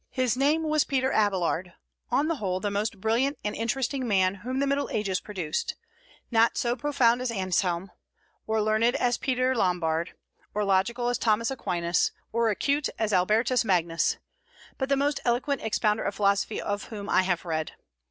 His name was Peter Abélard, on the whole the most brilliant and interesting man whom the Middle Ages produced, not so profound as Anselm, or learned as Peter Lombard, or logical as Thomas Aquinas, or acute as Albertus Magnus, but the most eloquent expounder of philosophy of whom I have read.